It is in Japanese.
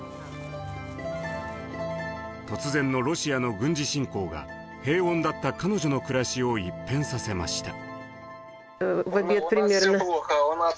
突然のロシアの軍事侵攻が平穏だった彼女の暮らしを一変させました。